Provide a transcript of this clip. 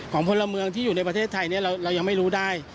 ของคนละเมืองที่อยู่ในประเทศไทยเนี่ยเรายังไม่รู้ได้